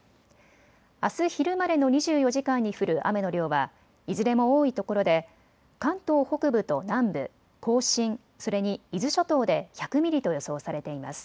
あす昼までの２４時間に降る雨の量はいずれも多いところで関東北部と南部、甲信、それに伊豆諸島で１００ミリと予想されています。